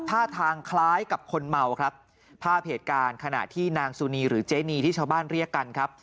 ท่าทางคล้ายกับคนเมาครับภาพเหตุการณ์ขณะที่นางสุนีหรือเจนีที่ชาวบ้านเรียกกันครับ